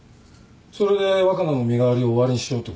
それで若菜の身代わりを終わりにしようってこと？